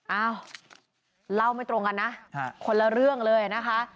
เอ้าเล่าไม่ตรงกันนะคนละเรื่องเลยนะคะ